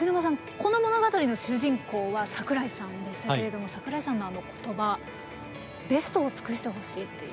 この物語の主人公は桜井さんでしたけれども桜井さんのあの言葉ベストを尽くしてほしいっていうね